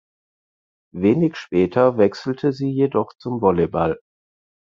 Wenig später wechselte sie jedoch zum Volleyball.